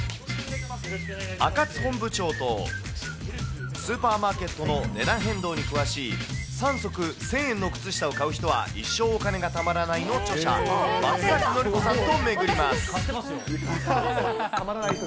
赤津本部長と、スーパーマーケットの値段変動に詳しい、３足１０００円の靴下を買う人は一生お金が貯まらないの著者、松崎のり子さんと巡ります。